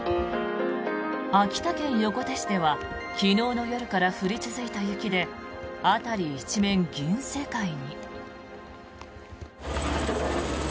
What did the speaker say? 秋田県横手市では昨日の夜から降り続いた雪で辺り一面、銀世界に。